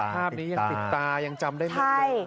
ภาพนี้ยังติดตายังจำได้มากเลย